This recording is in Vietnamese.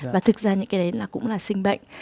và thực ra những cái đấy là cũng là sinh bệnh